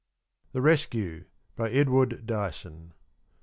THE RESCUE. BY EDWARD DYSON.